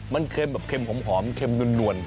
มันเค็มแบบเค็มหอมเค็มนวล